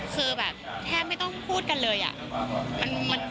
คือแบบแทบไม่ต้องพูดกันเลยอะ